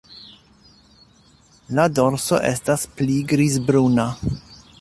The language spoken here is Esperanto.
La dorso estas pli grizbruna.